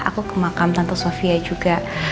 aku ke makam tante sofia juga